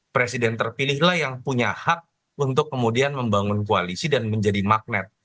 presiden terpilihlah yang punya hak untuk kemudian membangun koalisi dan menjadi magnet